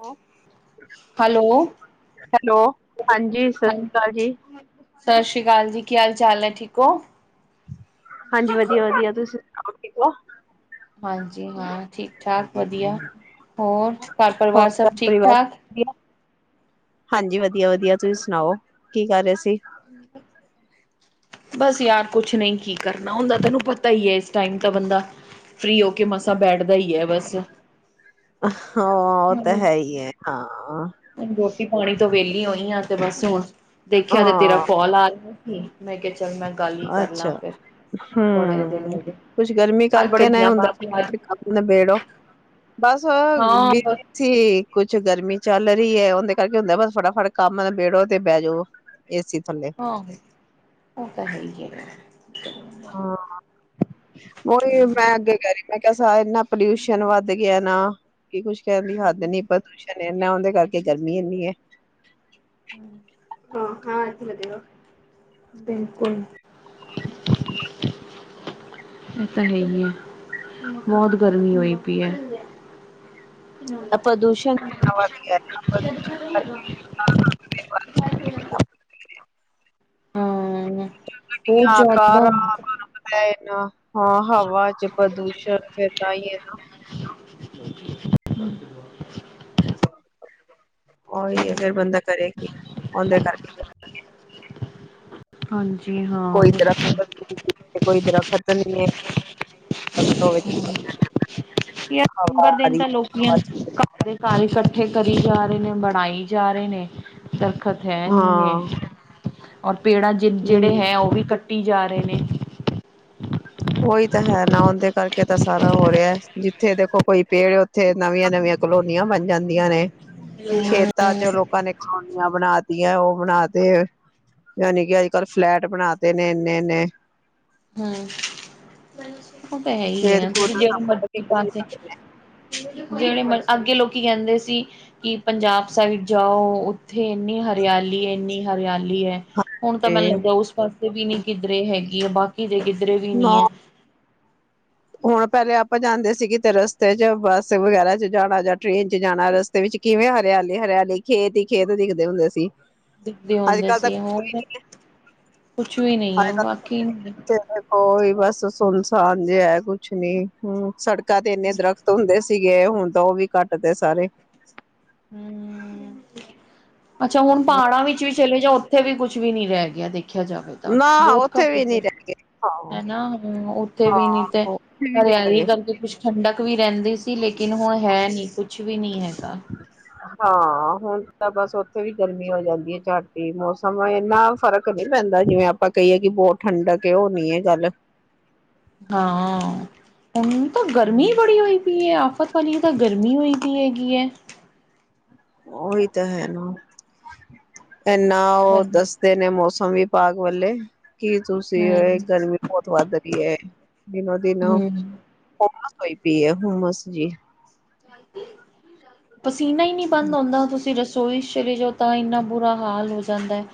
ਉਹ hello hello ਹਾਂਜੀ ਸਤਿ ਹਾਂ ਸ਼੍ਰੀ ਅਕਾਲ ਜੀ ਸਤਿ ਸ਼੍ਰੀ ਅਕਾਲ ਜੀ ਕੀ ਹਾਲ ਚਾਲ ਐ ਠੀਕ ਹੋ ਹਾਂਜੀ ਵਧੀਆ ਵਧੀਆ ਤੁਸੀਂ ਸੁਣਾਓ ਠੀਕ ਓ ਹਾਂਜੀ ਹਾਂ ਠੀਕ ਠਾਕ ਵਧੀਆ ਹੋਰ ਘਰ ਹੋਰ ਪਰਿਵਾਰ ਸਭ ਘਰ ਠੀਕ ਪਰਿਵਾਰ ਠਾਕ ਸਭ ਵਧੀਆ ਹਾਂਜੀ ਵਧੀਆ ਵਧੀਆ ਤੁਸੀਂ ਸੁਣਾਓ ਕੀ ਕਰ ਰਹੇ ਸੀ ਬਸ ਯਾਰ ਕੁਝ ਨਹੀਂ ਕੀ ਕਰਨਾ ਹੁੰਦਾ ਤੈਨੂੰ ਪਤਾ ਹੀ ਹੈ ਟਾਈਮ ਤਾਂ ਬੰਦਾ ਫਰੀ ਹੋ ਕੇ ਮਸਾ ਬੈਠਦਾ ਹੀ ਆ ਬੱਸ ਉਹ ਤਾਂ ਹੈ ਹੀ ਆ ਹਾਂ ਰੋਟੀ ਪਾਣੀ ਤੋਂ ਵਿਹਲੀ ਉਹੀ ਆ ਤੇ ਬਸ ਹੁਣ ਦੇਖਿਆ ਤੇ ਤੇਰਾ ਹਾਂ ਕਾਲ ਮੈਂ ਕਿਹਾ ਚਲ ਮੈਂ ਗੱਲ ਹੀ ਕਰ ਲਾ ਫਿਰ ਬੜੇ ਦਿਨ ਹਾਂ ਹੋ ਗਏ ਕੁਝ ਗਰਮੀ ਅੱਜ ਬੜੇ ਕਰਕੇ ਨਾ ਦਿਨਾਂ ਹੁੰਦਾ ਬਾਅਦ ਯਾਦ ਬੇ ਕਮ ਨਬੇੜੋ ਬੱਸ ਹਾਂ ਬ ਬਸ ਸੀ ਕੁਛ ਗਰਮੀ ਚੱਲ ਰਹੀ ਹੈ ਉਹਦੇ ਕਰਕੇ ਹੁੰਦਾ ਫਟਾਫਟ ਕੰਮ ਨਬੇੜੋ ਤੇ ਬੇਜੋ। ਏ ਸੀ ਥੱਲੇ। ਤਾਂਹੀ ੳਹੀ ਇਹ ਮੈਂ ਅੱਗੇ ਕਹ ਰੀ ਮੈਂ ਕਿਹਾ ਸਾ ਇਨਾ ਪੋਲਿਊਸ਼ਨ ਵੱਧ ਗਿਆ ਨਾ ਕੀ ਕੁਝ ਕਹਿਣ ਦੀ ਹੱਦ ਨਹੀਂ ਬਦੂ ਮੈਂ ਉਹਦੇ ਕਰਕੇ ਗਰਮੀ ਇਨੀ ਏ ਹਾ ਹਾ ਏਥੇ ਲਗੇ ਰੋ ਬਿਲਕੁੱਲ [inaudible] ਇਹ ਤਾਂ ਹੈ ਨੀ ਬਹੁਤ ਗਰਮੀ ਹੋਈ ਪਈ ਹ ਪ੍ਰਦੂਸ਼ਣ ਕਿੰਨਾ ਵਾਦ ਗਿਆ [unintelligible] ਹਾਂ। ਬਹੁਤ ਗੱਡੀਆਂ ਜ਼ਿਆਦਾ ਕਾਰਾਂ ਤੇ ਹਾਂ ਹਵਾ ਚ ਪ੍ਰਦੂਸ਼ਣ ਫੇਰ ਤਾਂ ਹੀਏ ਨਾ [unintelligible] [inaudible] ਉਹੀ ਹੈ ਫੇਰ ਬੰਦਾ ਕਰੇ ਕੀ ਓਦੇ ਕਰਕੇ ਹਾਂਜੀ ਹਾਂ ਕੋਈ ਦਰਖੱਤ ਬਿਲਕੁਲ ਕੋਈ ਦਰੱਖਤ ਨੀ ਹੈ [inaudible] ਯਾਰ ਦਿਨ ਹਵਾ ਬਾਰ ਆ ਦਿਨ ਰਹੀ ਤਾਂ ਹੈ, ਲੋਕੀਆਂ ਹਵਾ ਨੂੰ ਚੱਲ ਰਹੀ ਘਰ ਦੇ ਘਰ ਇਕੱਠੇ ਕਰੀ ਜਾ ਰਹੇ ਨੇ ਬਣਾਈ ਜਾ ਰਹੇ ਨੇ ਦਰਖੱਤ ਹੈ ਨਹੀਂ ਨੇ ਔਰ ਪੇੜਾਂ ਜਿ ਜਿਹੜੇ ਹਮ ਹੈ ਉਹ ਵੀ ਕੱਟ ਟੀ ਜਾ ਰਹੇ ਨੇ ਉਹੀ ਤਾਂ ਹੈ ਨਾ ਉਹਦੇ ਕਰਕੇ ਤਾਂ ਸਾਰਾ ਹੋ ਰਿਹਾ ਜਿੱਥੇ ਦੇਖੋ ਕੋਈ ਪੇੜ ਉੱਥੇ ਨਵੀਆਂ-ਨਵੀਆਂ ਕਲੋਨੀਆਂ ਬਣ ਜਾਂਦੀਆਂ ਨੇ ਖੇਤਾਂ ਚ ਲੋਕਾਂ ਨੇ ਕਲੋਨੀਆਂ ਬਣਾ ਉਹ ਬਣਾ ਤੇ ਯਾਨਿ ਕਿ ਅੱਜ ਕੱਲ੍ਹ ਫਲੈਟ ਬਣਾ ਤੇ ਨੇ ਇੰਨੇ-ਇੰਨੇ ਹਮ ਉਹ ਤਾਂ ਹੈ ਹੀ ਖੇਤ ਹੈ ਖੂਦ ਦਾ ਜਿਹੜੇ ਸਭ ਪਤਾ ਕੀ ਮਰਜੀ਼ ਕਰੀਏ ਪਾਸੇ ਜਿਹੜੇ ਮ ਅੱਗੇ ਲੋਕ ਕੀ ਕਹਿੰਦੇ ਸੀ ਕਿ ਪੰਜਾਬ ਸਾਈਡ ਜਾਓ ਉੱਥੇ ਇੰਨੀ ਹਰਿਆਲੀ-ਇੰਨੀ ਹਰਿਆਲੀ ਹੈਗੀ ਹੈ ਹੁਣ ਤਾਂ ਮੈਨੂੰ ਤੇ ਲੱਗਦਾ ਉਸ ਪਾਸੇ ਵੀ ਨੀ ਕਿੱਧਰੇ ਹੈਗੀ ਹੈ ਬਾਕੀ ਕਿਦੇ ਕਿਧਰੇ ਵੀ ਨਾ ਨੀ ਹੈ ਹੁਣ ਪਹਿਲੇ ਆਪਾਂ ਜਾਂਦੇ ਸੀਗੇ ਤੇ ਰਸਤੇ ਚ ਬੱਸ ਵਗੈਰਾ ਚ ਜਾਣਾ ਜਾਂ ਟ੍ਰੇਨ ਚ ਜਾਣਾ ਰਸਤੇ ਵਿੱਚ ਕੀ ਜਿਵੇਂ ਹਰਿਆਲੀ-ਹਰਿਆਲੀ ਖੇਤ ਹੀ ਖੇਤ ਦਿਖਦੇ ਹੁੰਦੇ ਸੀ। ਦਿਖਦੇ ਅੱਜ ਹੁੰਦੇ ਕੱਲ ਤਾਂ ਸੀ ਕੁਛ ਹੋਰ ਵੀ ਨੀ ਏ ਕੁਛ ਵੀ ਨਹੀਂ ਐ ਬਾਕੀ ਹੂੰ [inaudible] ਬਸ ਸੁਨਸਾਨ ਜੇਹਾ ਕੁਛ ਨੀ ਹਮ ਸੜਕਾਂ ਤੇ ਇੰਨੇ ਦਰਖਤ ਹੁੰਦੇ ਸੀ। ਸੀਗੇ ਹੁਣ ਤਾਂ ਉਹ ਵੀ ਕੱਟ ਤੇ ਸਾਰੇ। ਹਮ ਅੱਛਾ ਹੁਣ ਪਹਾੜਾਂ ਵਿੱਚ ਵੀ ਚਲੇ ਜਾਓ ਉੱਥੇ ਵੀ ਕੁਝ ਵੀ ਨੀ ਰਹਿ ਗਿਆ ਦੇਖਿਆ ਜਾਵੇ ਤਾਂ ਨਾ ਬਹੁਤ ਉੱਥੇ ਘੱਟ ਵੀ ਨੀ ਰਹਿ ਹਾਂ ਹੈਨਾ ਹ ਉੱਥੇ ਵੀ ਨੀ ਹਾਂ ਤੇ ਉੱਥੇ ਵੀ ਨੀ ਹੈਗੇ ਹਰਿਆਲੀ ਕਰਕੇ ਕੁਛ ਠੰਡਕ ਵੀ ਰਹਿੰਦੀ ਸੀ ਲੇਕਿਨ ਹੁਣ ਹੈ ਨਹੀਂ ਕੁਛ ਕੁਛ ਵੀ ਨਹੀਂ ਹੈਗਾ ਹਾਂ ਹੁਣ ਤਾਂ ਬਸ ਉੱਥੇ ਵੀ ਗਰਮੀ ਹੋ ਜਾਂਦੀ ਹੈ ਝੱਟ ਹੀ ਮੌਸਮ ਇੰਨਾ ਫ਼ਰਕ ਨਹੀਂ ਪੈਂਦਾ। ਜਿਵੇਂ ਆਪਾਂ ਕਹੀਏ ਕਿ ਬਹੁਤ ਠੰਡਕ ਕੇ ਔ ਨੀ ਹੈ ਗੱਲ ਹਾਂ ਹੁਣ ਤਾਂ ਗਰਮੀ ਬੜੀ ਹੋਈ ਇਹ ਆਫ਼ਤ ਵਾਲੀ ਤਾਂ ਗਰਮੀ ਹੋਈਦੀ ਹੈਗੀ ਹੈ ਉਹੀ ਤਾਂ ਹੈ ਨਾ ਇਨਾ ਉਹ ਹਮ ਦੱਸਦੇ ਨੇ ਮੌਸਮ ਸਮੀ ਪਾਗ ਵਾੱਲੇ [inaudible] ਕੀ ਤੁਸੀਂ ਇਹ ਗਰਮੀ ਬਹੁਤ ਵੱਧ ਰਹੀ ਹੈ ਦਿਨੋ ਦਿਨੋ। ਹਮ ਹੋਈ ਪੀ ਆ ਹੁਮਸ ਜੀ ਪਸੀਨਾ ਹੀ ਨਹੀਂ ਬੰਦ ਹੋਉਂਦਾ ਤੁਸੀਂ। ਤੁਸੀਂ ਰਸੋਈ ਚਲੇ ਜਾਓ ਤਾਂ ਇੰਨਾ ਬੁਰਾ ਹਾਲ ਹੋ ਜਾਂਦਾ ਹੈ।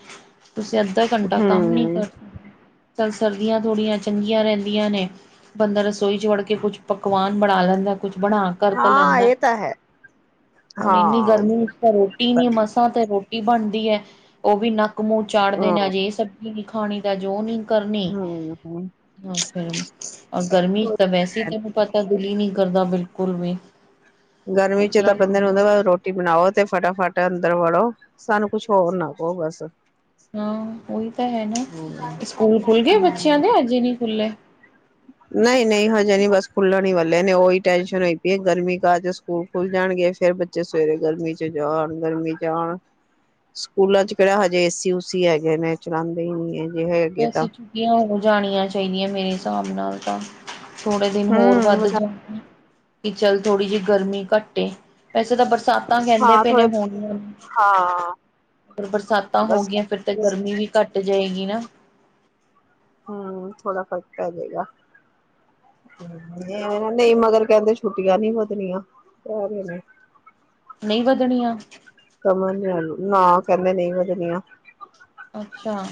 ਤੁਸੀਂ ਅੱਧਾ ਘੰਟਾ ਕੰਮ ਨੀ ਹਮ ਕਰ ਸਕਦੇ। ਤਾਂ ਸਰਦੀਆਂ ਥੋੜ੍ਹੀਆਂ ਚੰਗੀਆਂ ਰਹਿੰਦੀਆਂ ਨੇ ਬੰਦਾ ਰਸੋਈ ਚ ਵੜ ਕੇ ਕੁਛ ਪਕਵਾਨ ਬਣਾ ਲੈਂਦਾ। ਕੁਛ ਬਣਾ ਕਰ ਹਾਂ ਲੈਂਦਾ ਇਹ ਤਾਂ ਹੈ ਹੁਣ ਹਾਂ ਇੰਨੀ ਗਰਮੀ ਵਿੱਚ ਤਾਂ ਰੋਟੀ ਹਾਂ ਨੀ ਮਸਾਂ ਤੇ ਰੋਟੀ ਬਜੀ ਬਣਦੀ ਹੈ ਉਹ ਵੀ ਨੱਕ ਮੂੰਹ ਚਾੜਦੇ ਨੇ ਹਮ ਅੱਜ ਇਹ ਸਬਜ਼ੀ ਨੀ ਖਾਣੀ ਤਾਂ ਅੱਜ ਉਹ ਨਹੀਂ। ਕਰਨੀ ਹੀ ਹਮ ਨੀ ਫਿਰ ਗਰਮੀ ਤਾਂ ਵੈਸੇ ਕੰਮ ਕਾਰ ਦਾ ਦਿਲ ਨਹੀਂ। ਕਰਦਾ ਬਿਲਕੁਲ ਵੀ। ਗਰਮੀ ਚ ਤਾਂ ਨਿਕਲਣ ਬੰਦੇ ਨੂੰ ਹੁੰਦਾ ਬਈ ਰੋਟੀ ਬਣਾਓ ਤੇ ਫਟਾਫਟ ਅੰਦਰ ਵੜੋ। ਸਾਨੂੰ ਕੁਛ ਹੋਰ ਨਾ ਕਹੋ ਬਸ। ਹਾਂ ਉਹੀ ਤਾਂ ਹੈ ਨਾ ਸਕੂਲ ਖੁੱਲ੍ਹ ਗਏ ਬੱਚਿਆਂ ਦੇ ਅਜੇ ਨਹੀਂ ਖੁੱਲੇ। ਨਹੀਂ-ਨਹੀਂ ਹਜੇ ਨੀ ਬਸ ਖੁੱਲਣ ਹੀ ਵਾਲੇ ਨੇ ਉਹੀ ਟੈਸ਼ਨ ਹੋਈ ਪਈ ਹੈ ਗਰਮੀ ਕਾਜ ਸਕੂਲ ਖੁੱਲ ਜਾਣ। ਖੁੱਲ ਗਏ ਫਿਰ ਬੱਚੇ ਸਵੇਰੇ ਗਰਮੀ ਚ ਜਾਣ ਗਰਮੀ ਚ ਆਣ । ਸਕੂਲਾਂ ਚ ਕਿਹੜਾ ਹਜੇ ਏਸੀ ਉਸੀ ਹੈਗੇ ਨੇ ਚਲਾਂਦੇ ਹੀ ਨੀ ਹੈ ਜੇ ਹੈਗੇ ਤਾਂ ਵੈਸੇ ਛੁੱਟੀਆਂ ਹੋ ਜਾਣੀਆਂ ਚਾਹੀਦੀਆਂ ਮੇਰੇ ਹਿਸਾਬ ਨਾਲ ਤਾਂ ਥੋੜੇ ਦਿਨ ਹੋਰ ਹਮ ਵੱਧ ਜਾਂ ਕਿ ਚੱਲ ਥੋੜ੍ਹੀ ਜਿਹੀ ਗਰਮੀ ਘੱਟੇ ਵੈਸੇ ਤਾਂ ਬਰਸਾਤਾਂ ਕਹਿੰਦੇ ਹਾਂ ਪਏ ਨੇ ਥੋੜੇ ਹੋਣ ਹਾਂ ਅਗਰ ਬਰਸਾਤਾਂ ਹੋ ਬਸ ਗਈਆਂ ਫਿਰ ਤਾਂ ਗਰਮੀ ਵੀ ਘੱਟ ਜਾਏਗੀ ਨਾ ਹੂੰ ਥੋੜਾ ਫ਼ਰਕ ਪੈ ਜਾਏਗਾ। ਨਹੀਂ ਮਗਰ ਕਹਿੰਦੇ ਛੁੱਟੀਆਂ ਨੀ ਵਧਣੀਆਂ । ਨਹੀਂ ਵਧਣੀਆਂ? ਨਾ ਕਹਿੰਦੇ ਨਹੀਂ ਵੱਧਣੀ ਆ। ਅੱਛਾ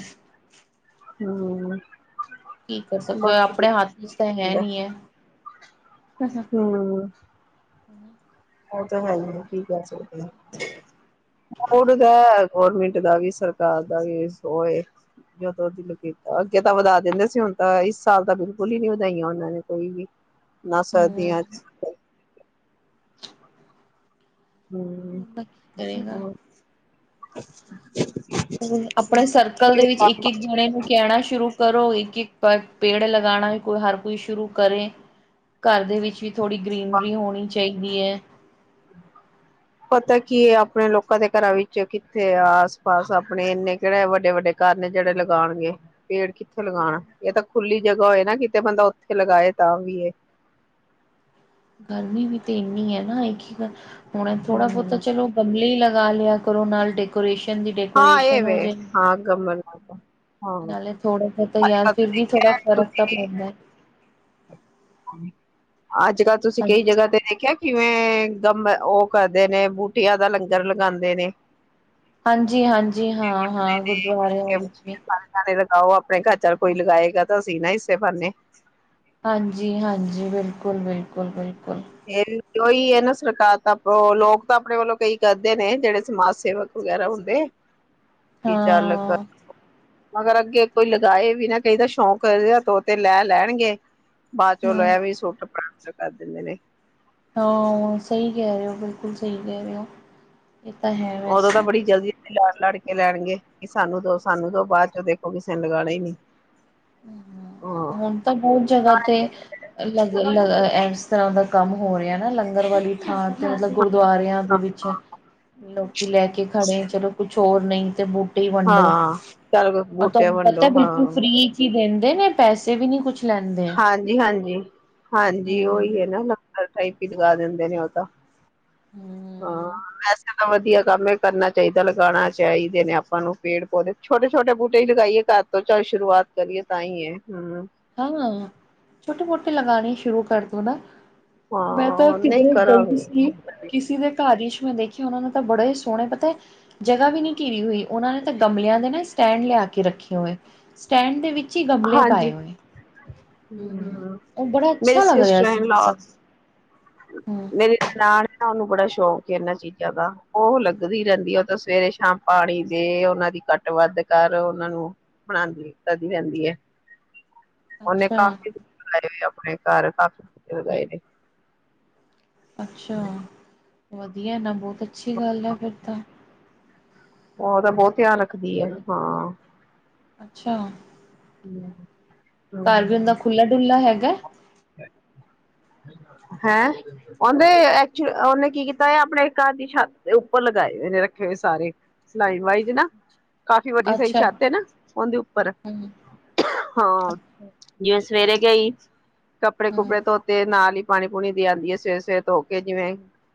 ਹੂੰ ਕੀ ਕਰ ਸਕਦੇ ਹੋ ਆਪਣੇ ਹੱਥ ਵਿਚ ਤਾਂ ਹੈ ਦੇਖਦਾ ਨਹੀਂ ਏ। [inaudible] ਉਹ ਤਾਂ ਹੈ ਹੀ ਆ ਕੀ ਕਹੇ ਸਕਦੇ ਹਾਂ ਉਹ ਤਾਂ ਗੌਰਮਿੰਟ ਦਾ ਵੀ ਸਰਕਾਰ ਦਾ ਵੀ ਉਹ ਏ। ਅੱਗੇ ਤਾਂ ਵਧਾ ਦਿੰਦੇ ਸੀ ਹੁਣ ਤਾਂ ਇਸ ਸਾਲ ਤਾਂ ਬਿਲਕੁਲ ਹੀ ਨਹੀਂ ਵਧਾਈਆਂ ਉਹਨਾਂ ਨੇ ਕੋਈ ਵੀ। ਨਾ ਸਰਦੀਆਂ ਚ ਬੰਦਾ ਕੀ ਹਮ ਹੋ ਕਰੇਗਾ [inaudible] ਆਪਣੇ ਸਰਕਲ ਦੇ ਵਿੱਚ ਇੱਕ ਇੱਕ ਜਣੇ ਨੂੰ ਕਹਿਣਾ ਸ਼ੁਰੂ ਕਰੋ। ਕਿ ਪਰ ਪੇੜ ਲਗਾਣਾ ਵੀ ਹਰ ਕੋਈ ਸ਼ੁਰੂ ਕਰੇ ਘਰ ਦੇ ਵਿੱਚ ਵੀ। ਥੋੜ੍ਹੀ ਗ੍ਰੀਨਰੀ ਹੋਣੀ ਚਾਹੀਦੀ ਹੈ। ਹ [inaudible] ਪਤਾ ਕੀ ਆ ਆਪਣੇ ਲੋਕਾਂ ਦੇ ਘਰਾਂ ਵਿੱਚ ਕਿੱਥੇ ਆਸ ਪਾਸ ਆਪਣੇ ਇੰਨੇ ਕਿਹੜੇ ਵੱਡੇ ਵੱਡੇ। ਕਰਨ ਜਿਹੜੇ ਲਗਾਉਣਗੇ ਪੇੜ ਕਿੱਥੇ ਲਗਾਉਣ ਇਹ ਤਾਂ ਖੁੱਲੀ ਜਗ੍ਹਾ ਹੋਏ ਨਾ ਕਿਤੇ ਬੰਦਾ ਉੱਥੇ ਲਗਾਏ। ਤਾਂ ਵੀਏ [inaudible] ਗਰਮੀ ਵੀ ਤੇ ਇੰਨੀ ਹੈ ਨਾ ਇੱਕ ਹੁਣ ਥੋੜ੍ਹਾ ਬੋਤਾ ਹਮ ਚਲੋ ਗਮਲੇ ਹੀ ਲਗਾ ਲਿਆ ਕਰੋ ਨਾਲ ਡੈਕੋਰੇਸ਼ਨ ਦੀ ਹਾਂ ਇਹ ਡੈਕੋਰੇਸ਼ਨ ਹੋ ਵੇ ਜੇ ਹਾਂ ਗਮਲ ਹਾਂ ਨਾਲੇ ਥੋੜਾ ਤਾਂ ਅੱਜ ਯਾਰ ਕੱਲ ਫਿਰ ਵੀ ਥੋੜਾ ਦੇਖਿਆ ਫ਼ਰਕ ਤੁਸੀਂ ਤਾਂ ਪੈਂਦਾ। ਅੱਜ ਕੱਲ੍ਹ ਤੁਸੀਂ ਕਈ ਹਾਂਜੀ ਜਗ੍ਹਾ ਤੇ ਦੇਖਿਆ ਕਿਵੇਂ? ਗਮ ਉਹ ਕਰਦੇ ਨੇ ਬੂਟੀਆਂ ਦਾ ਲੰਗਰ ਲਗਾਂਦੇ ਨੇ। ਹਾਂਜੀ, ਹਾਂਜੀ ਹਾਂ ਹਾਂ ਗੁਰਦੁਆਰਿਆਂ ਵਿੱਚ ਵੀ। ਆਹ ਉਹ ਆਪਣੇ ਘਰ ਚ ਕੋਈ ਲਗਾਏਗਾ ਤਾਂ ਸੀਂ ਨਾ ਇਸੇ ਬਾਨੇ। ਹਾਂਜੀ, ਹਾਂਜੀ ਬਿਲਕੁਲ, ਬਿਲਕੁਲ, ਬਿਲਕੁਲ। ਇਹ ਉਹੀ ਹੈ ਨਾ ਸਰਕਾਰ ਤਾਂ ਲੋਕ ਤਾਂ ਆਪਣੇ ਵੱਲੋਂ ਕਈ ਕਰਦੇ ਨੇ ਜਿਹੜੇ ਸਮਾਜ ਸੇਵਕ। ਵਗੈਰਾ ਹੁੰਦੇ। ਕਿ ਚੱਲ ਹਾਂ ਮਗਰ ਅੱਗੇ ਕੋਈ ਲਗਾਏ ਵੀ ਨਾ ਕਈ ਦਾ, ਸ਼ੌਂਕ ਇਹ ਤੋ ਤੇ ਲੈ ਲੈਣਗੇ ਬਾਅਦ ਚਲ ਹਮ ਐਵੇਂ ਸੁੱਟ ਪ੍ਰਾਪਤ ਕਰ ਦਿੰਦੇ ਨੇ [inaudible] ਹਾਂ ਸਹੀ ਕਹਿ ਰਹੇ ਹੋ, ਬਿਲਕੁਲ ਸਹੀ ਕਹਿ ਰਹੇ ਹੋ ਇਹ ਤਾਂ ਹੈ ਉਦੋਂ ਤਾਂ ਵੈਸੇ ਬੜੀ ਜਲਦੀ ਲੜ ਲੜ ਕੇ ਲੈਣਗੇ, ਕਿ ਸਾਨੂੰ ਦੋ ਸਾਨੂੰ ਦੋ ਬਾਅਦ ਚੋਂ ਦੇਖੋ ਕਿਸੇ ਨੇ ਲਗਾਣੇ ਹੀ ਨੀ ਹਾਂ ਹੁਣ ਤਾਂ ਬਹੁਤ ਜਗ੍ਹਾ ਪੁਰਾਣੇ ਤੇ ਲਗ ਇਸ ਤਰ੍ਹਾਂ ਦਾ ਕੰਮ ਹੋ ਰਿਹਾ ਨਾ, ਲੰਗਰ ਵਾਲੀ ਥਾਂ ਤੇ ਮਤਲਬ ਗੁਰਦੁਆਰਿਆਂ ਦੇ ਵਿੱਚ, ਲੋਕੀ ਲੈ ਕੇ ਖੜੇ ਚਲੋ ਕੁਛ ਹੋਰ ਨਹੀਂ ਤੇ ਬੂ ਕੀ ਵੰਡੋ, ਹਾਂ ਚੱਲ ਬੂਟੇ ਤੁਹਾਨੂੰ ਪਤਾ ਵੰਡੋ ਹਾਂ ਬਿਲਕੁਲ ਫ੍ਰੀ ਚ ਹੀ ਦਿੰਦੇ ਨੇ ਪੈਸੇ ਵੀ ਨੀ ਕੁਛ ਲੈਂਦੇ ਹਾਂਜੀ, ਹਾਂਜੀ, ਹਾਂਜੀ ਹੂੰ ਔਹੀ ਹੈ ਨਾ ਲਗ ਪਾਈਪ ਈ ਲਗਾ ਦਿੰਦੇ ਨੇ ਔ ਤਾਂ, ਹੂੰ ਹਾਂ ਵਧੀਆ ਕੰਮ ਏ, ਕਰਨਾ ਚਾਹੀਦਾ, ਲਗਾਉਣਾ ਚਾਹੀਦੇ ਨੇ ਆਪਾਂ ਨੂੰ ਪੇੜ ਪੌਦੇ ਛੋਟੇ ਛੋਟੇ ਬੂਟੇ ਹੀ ਲਗਾਈਏ- ਹਥੋ ਚਾਏ ਸ਼ੁਰੂਆਤ ਕਰੀਏ, ਤਾਂ ਹੀ ਹੈ, ਹੂੰ ਛੋਟੇ ਮੋਟੇ ਲਗਾਣੇ ਸ਼ੁਰੂ ਕਰ ਦੋ ਨਾ। ਮੈਂ ਤਾਂ ਹਾਂ ਨਹੀਂ ਕਿਧਰ ਗਈ ਕਰਾਂਗੇ ਸੀ ਕਿਸੇ ਦੇ ਘਰ ਮੈਂ ਦੇਖਿਆ ਉਹਨਾਂ ਨੇ ਤਾਂ ਬੜਾ ਹੀ ਸੋਹਣੇ ਪਤਾ ਜਗਾ ਵੀ ਨਹੀਂ ਘਿਰੀ ਹੋਈ ਉਹਨਾਂ ਨੇ ਤਾਂ ਗਮਲਿਆਂ ਦੇ ਨਾ। ਸਟੈਂਡ ਲਿਆ ਕੇ ਰੱਖੇ ਹੋਏ ।ਸਟੈਂਡ ਦੇ ਵਿੱਚ ਹੀ ਗਮਲੇ ਹਾਂਜੀ ਪਾਏ ਹੋਏ। ਹਮ ਬੜੇ ਮੇਰੀ ਅੱਛਾ ਲੱਗ ਰਿਹਾ ਸਿਸਟਰ ਸੀ ਇਨ ਲਾ ਸ ਮੇਰੀ ਨਨਾਣ ਔਨਾ ਨੂੰ ਬੜਾ ਸ਼ੌਂਕ ਇਹਨਾਂ ਚੀਜ਼ਾਂ ਦਾ, ਔ ਲੱਗਦੀ ਰਹਿੰਦੀ ਏ, ਔ ਤਾਂ ਸਵੇਰੇ ਸ਼ਾਮ ਪਾਣੀ ਦੇ, ਉਹਨਾਂ ਦੀ ਘੱਟ ਵੱਧ ਕਰ ਉਹਨਾਂ ਨੂੰ ਪੜਾਦੀ ਰਹਿੰਦੀ ਐ। ਔਨੇ ਅੱਛਾ ਕਾਫੀ ਲਗਾਏ ਹੋਏ ਆਪਣੇ ਘਰ, ਕਾਫੀ ਪੋਧੇ ਲਗਾਏ ਨੇ। ਅੱਛਾ, ਵਧੀਆ ਇਹਨਾਂ ਬਹੁਤ ਅੱਛੀ ਗੱਲ ਐ, ਫਿਰ ਤਾਂ। ਔ ਔਦਾ, ਬਹੁਤ ਧਿਆਨ ਰੱਖਦੀ ਐ, ਹਾਂ। ਅੱਛਾ ਹਮ [unintelligible] ਅਰ ਵੀ ਉਣਾਂਦਾ, ਖੁਲਾ ਡੁੱਲਾ ਹੈਗਾ। ਕੋਈ ਆਵਾਜ਼ ਨਹੀਂ ਹੈ [unintelligible] ਹੈਂ, ਔਦੇ ਔਨੇ ਕੀ ਕੀਤਾ, ਆਪਣੇ ਘਰ ਦੀ ਛੱਤ ਦੇ ਉੱਪਰ ਲਗਾਏ ਹੋਏ ਨੇ ਸਾਰੇ ਨਾਈਟ ਵਾਈਜ਼ ਨਾ, ਕਾਫੀ ਵੱਡੀ ਸਾਰੀ ਅੱਛਾ ਛੱਤ ਹੈ ਨਾ, ਉਹਦੇ ਉਪਰ ਹੂੰ ਹਾਂ ਅੱਛਾ ਜਿਵੇਂ ਅੱਛਾ ਸਵੇਰੇ ਗਈ। ਆਪਣੇ ਹੂੰ ਕੁਬੜੇ ਧੋਤੇ, ਨਾਲ ਹੀ ਪਾਣੀ ਪੂਣੀ ਦੇ ਆਉਂਦੀ ਐ, ਸਵੇਰੇ ਸਵੇਰੇ ਧੋ ਕੇ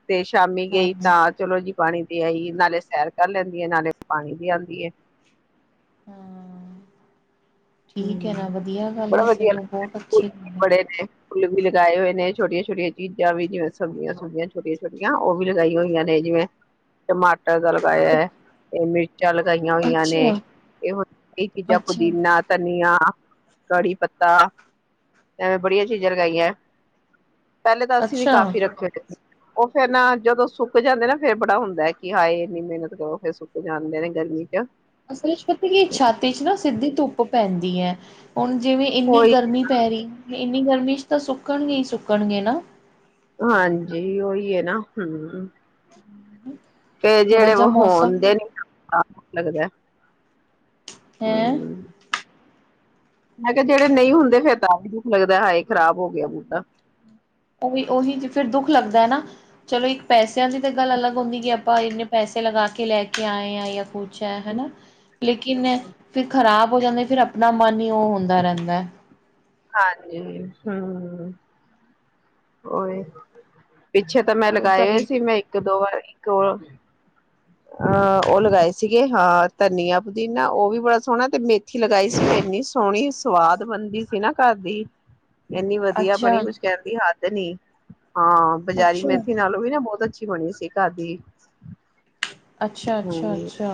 ਤੇ ਸ਼ਾਮੀ ਹਾਂ ਗਈ ਤਾਂ, ਚਲੋ ਜੀ ਪਾਣੀ ਦੇ ਆਈ ਏ, ਨਾਲੇ ਸੈਰ ਕਰ ਲੈਂਦੀ ਏ, ਨਾਲੇ ਪਾਣੀ ਦੇ ਆਂਦੀ ਏ। ਹਾਂ ਠੀਕ ਐ ਨਾ, ਵਧੀਆ ਗੱਲ ਬੜਾ ਐ, ਵਧੀਆ ਸਗੋ ਬਹੁਤ ਅੱਛੀ ਬੜੇ ਨੇ ਫੁੱਲ ਵੀ ਲਗਾਏ ਹੋਏ ਨੇ, ਛੋਟੀਆਂ ਛੋਟੀਆਂ ਚੀਜ਼ਾਂ ਵੀ, ਜਿਵੇੰ ਸਬਜ਼ੀਆਂ ਸੁਬਜ਼ੀਆਂ ਛੋਟੀਆਂ ਛੋਟੀਆਂ, ਔ ਵੀ ਲਗਾਇਆ ਹੋਈਆਂ ਨੇ, ਜਿਵੇ ਟਮਾਟਰ ਦਾ ਲਗਾਇਆ ਮਿਰਚਾਂ ਲਗਾਈਆਂ ਹੋਈਆਂ ਨੇ, ਅੱਛਾ। ਇਹ ਚੀਜ਼ਾਂ ਅੱਛਾ, ਪੁਦੀਨਾ ਧਨੀਆ ਕੜੀ ਪੱਤਾ ਐਵੇਂ ਬੜੀਆ ਚੀਜਾ ਲਗਾਈਆਂ- ਪਹਿਲੇ ਤਾਂ ਅਸੀਂ ਵੀ ਅੱਛਾ ਕਾਫੀ ਰੱਖੇ ਹੋਏ ਸੀ। ਔ ਫਿਰ ਨਾ ਜਦੋਂ ਸੁੱਕ ਜਾਂਦੇ ਨਾ ਫਿਰ ਬੜਾ ਹੁੰਦਾ ਕਿ ਹਾਏ ਇਨੀ ਮੇਹਨਤ ਕਰੋ, ਫੇਰ ਸੁੱਕ ਜਾਂਦੇ ਨੇ, ਗਰਮੀ ਚ। ਅਸਲ ਵਿਚ ਪਤਾ ਹੈ ਕੀ ਛੱਤ ਵਿਚ ਨਾ ਸਿੱਧੀ ਧੁੱਪ ਪੈਂਦੀ ਐ। ਹੁਣ ਜਿਵੇਂ ਇੰਨੀ ਉਹੀ ਗਰਮੀ ਪੈ ਰਹੀ, ਇੰਨੀ ਗਰਮੀ ਚ ਤਾਂ ਸੁੱਕਣਗੀ ਸੁੱਕਣਗੇ ਨਾ ਹਾਂਜੀ ਔਹੀ ਹੈ ਨਾ। ਹ [unintelligible] ਫੇਰ ਜਿਹੜੇ ਔ ਹੋਣ ਦੇ ਨੇ ਹੈਂ? ਹਮ ਮੈਂ ਕਿਹਾ ਜਿਹੜੇ ਨਹੀਂ ਹੁੰਦੇ, ਫਿਰ ਤਾ ਵੀ ਦੁੱਖ ਲੱਗਦਾ ਏ ਹਾਏ ਖਰਾਬ ਹੋ ਗਿਆ ਬੁਟਾ। ਓਹੀ-ਓਹੀ ਫਿਰ ਦੁੱਖ ਲੱਗਦਾ ਏ ਨਾ, ਚਲੋ ਇੱਕ ਪੈਸਿਆਂ ਦੀ ਤਾਂ ਗੱਲ ਅਲੱਗ ਹੁੰਦੀ ਕਿ ਆਪਾਂ ਇਨੇ ਪੈਸ ਚਾਹੇ ਲਗਾ ਕੇ ਲੈ ਕੇ ਆਏ ਆਂ, ਯਾ ਕੁਛ ਹੈ ਹੈਨਾ, ਲੇਕਿਨ ਫਿਰ ਖਰਾਬ ਹੋ ਜਾਂਦੇ ਫਿਰ ਆਪ ਨਾ ਮਾਨੀ ਉਹ ਹੁੰਦਾ ਰਹਿੰਦਾ ਏ। ਹਾਂਜੀ, ਹਮ, ਓਹੀ। ਪਿੱਛੇ ਤਾਂ ਮੈਂ ਫਿਰ ਲਗਾਏ ਹੋਏ ਤੁਹਾਡੀ ਸੀ, ਮੈਂ ਇੱਕ ਦੋ ਵਾਰ, ਇੱਕ ਅਹ ਉਹ ਲਗਾਏ ਸੀਗੇ, ਹਾਂ ਧਨੀਆਂ, ਪੁਦੀਨਾ। ਉਹ ਵੀ ਬੜਾ ਸੋਹਣਾ ਤੇ ਮੇਥੀ ਲਗਾਈ ਸੀ ਇੰਨੀ ਸੋਹਣੀ ਸਵਾਦ ਬੰਦੀ ਸੀ ਨਾ ਘਰ ਦੀ ਇੰਨੀ ਵਧੀਆ ਬਣੀ ਅੱਛਾ। ਕੁਛ ਕਹਿੰਣ ਦੀ ਹੱਧ ਨਹੀਂ, ਹਾਂ ਬਜਾਰੀ ਅੱਛਾ, ਮੇਥੀ ਨਾਲੋਂ ਵੀ ਨਾ ਬਹੁਤ ਅ ਅੱਛੀ ਹੋਣੀ ਸੀ ਘਰ ਦੀ। ਹੂੰ ਅੱਛਾ-ਅੱਛਾ-ਅੱਛਾ।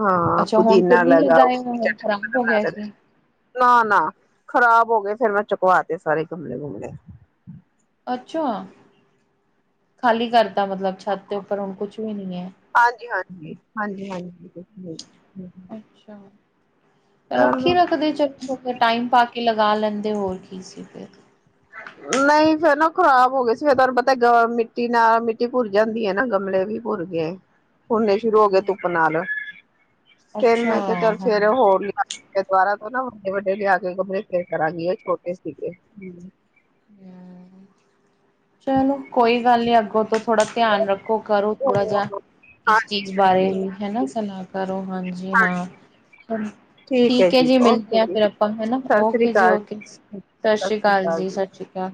ਹਾਂ ਅੱਛਾ ਹੁਣ ਫਿਰ ਪੁਦੀਨਾ ਨਹੀਂ ਲਗਾਓ ਲੱਗਾਏ [unintelligible] ਨਾ-ਨਾ ਖਰਾਬ ਹੋ ਗਏ, ਫਿਰ ਮੈਂ ਚੁਕਵਾ ਤੇ ਸਾਰੇ ਗਮਲੇ ਗੁਮਲੇ। ਅੱਛਾ, ਖਾਲੀ ਕਰਤਾ ਮਤਲਬ, ਛੱਤ ਤੇ ਉਪਰ ਹੁਣ ਕੁਛ ਵੀ ਨਹੀਂ ਏ? ਜੀ, ਹਾਂਜੀ-ਹਾਂਜੀ [unintelligible] ਅੱਛਾ, ਰੱਖੀ ਚਲੋ ਰੱਖਦੇ ਚਲੋ ਥੋੜਾ ਜਿਹਾ ਟਾਈਮ ਪਾ ਕੇ ਇਕ ਲਗਾ ਲੈਂਦੇ, ਹੋਰ ਕੀ ਸੀ ਫਿਰ। ਨਹੀਂ! ਫੇਰ ਨਾ ਉਹ ਖ਼ਰਾਬ ਹੋ ਗਏ ਸੀ, ਫਿਰ ਤੁਹਾਨੂੰ ਪਤਾ ਗ ਮਿੱਟੀ ਨਾਲ ਮਿੱਟੀ ਭੁਰ ਜਾਂਦੀ ਹੈ ਨਾ ਗਮਲੇ ਵੀ ਭੁਰ ਗਏ। ਭੁਰਨੇ ਸ਼ੁਰੂ ਹੋ ਗਏ ਹੂੰ, ਧੁੱਪ ਨਾਲ। ਫੇਰ ਅੱਛਾ ਮੈਂ ਕਿਹਾ! ਚੱਲ ਹਾਂ। ਸਵੇਰੇ ਹੋਰ ਲਿਆਵਾਂਗੇ ਦੁਬਾਰਾ ਔ ਨਾ ਵੱਡੇ ਵੱਡੇ ਲਿਆ ਕੇ ਕੱਪਰੇੇ ਫੇਰ ਕਰਾਂਗੀ, ਏ ਛੋਟੇ ਸੀਗੇ। ਹਮ। ਚਲੋ, ਕੋਈ ਗੱਲ ਨੀ, ਅੱਗੋਂ ਤੋਂ ਥੋੜ੍ਹਾ ਧਿਆਨ ਰੱਖੋ, ਕਰੋ ਥੋੜਾ ਜਿਹਾ, ਇਸ ਹਾਂਜੀ ਚੀਜ਼ ਬਾਰੇ ਹਾਂਜੀ ਵੀ ਹਨਾ, ਸਨ੍ਹਾਂ ਕਰੋ, ਹਾਂਜੀ ਹਾਂ। ਅੱਛਾ ਜੀ, ਠੀਕ ਹੈ ਜੀ, ਮਿਲਦੇ ਹਾਂ ਫਿਰ ਆਪਾਂ ਹਨਾ, ਸਤਿ ਸ੍ਰੀ ਓਕੇ ਜੀ ਅਕਾਲ ਓਕੇ। ਸਤਿ ਸ੍ਰੀ ਅਕਾਲ ਜੀ। ਸਤਿ ਸ਼੍ਰੀ ਅਕਾਲ।